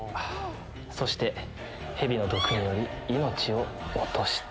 そしてヘビの毒により命を落とした。